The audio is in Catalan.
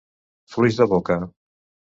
Fluix de boca.